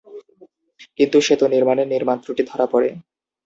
কিন্তু সেতু নির্মাণে নির্মাণ ত্রুটি ধরা পরে।